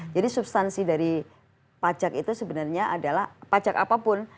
jadi substansi dari pajak itu sebenarnya adalah pajak apapun